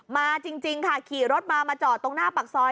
จริงค่ะขี่รถมามาจอดตรงหน้าปากซอย